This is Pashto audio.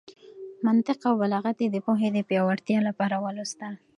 منطق او بلاغت يې د پوهې د پياوړتيا لپاره ولوستل.